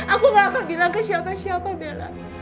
aku gak akan bilang ke siapa siapa bella